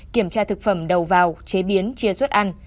kiểm tra thực phẩm đầu vào chế biến chia xuất ăn